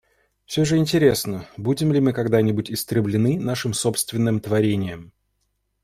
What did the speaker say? Всё же интересно, будем ли мы когда-нибудь истреблены нашим собственным творением.